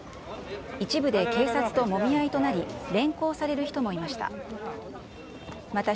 一部で警察ともみ合いとなり、連行される人もいました。